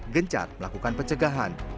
gencat melakukan pencegahan